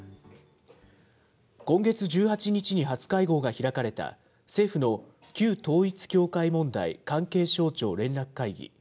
今月１８日に初会合が開かれた、政府の旧統一教会問題関係省庁連絡会議。